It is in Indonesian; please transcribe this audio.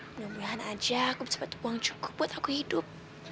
semoga aja aku bisa bantu uang cukup buat aku hidup